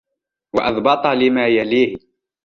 وَأَضْبَطَ لِمَا يَلِيهِ